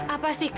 apa sih kak